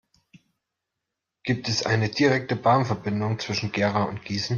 Gibt es eine direkte Bahnverbindung zwischen Gera und Gießen?